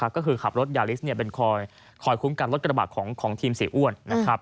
ก็คือขับรถยาลิสเป็นคอยคุ้มกันรถกระบะของทีมเสียอ้วน